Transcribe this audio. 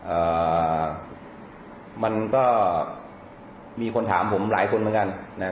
เอ่อมันก็มีคนถามผมหลายคนเหมือนกันนะ